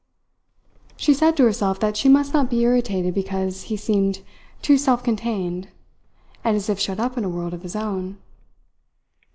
She said to herself that she must not be irritated because he seemed too self contained, and as if shut up in a world of his own.